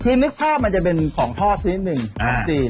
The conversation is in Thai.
คือนึกภาพมันจะเป็นของทอดนิดหนึ่งของจีน